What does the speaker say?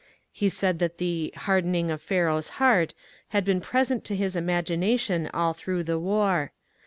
He said that the ^' hardening of Pharaoh's heart " had been present to his imagination all through the war.